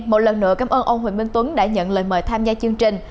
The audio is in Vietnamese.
một lần nữa cảm ơn ông huỳnh minh tuấn đã nhận lời mời tham gia chương trình